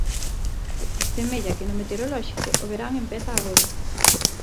Semella que no meteorolóxico, o verán empeza agora.